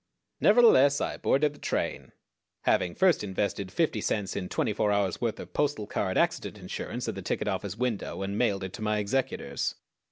Nevertheless I boarded the train, having first invested fifty cents in twenty fours' worth of postal card accident insurance at the ticket office window and mailed it to my executors.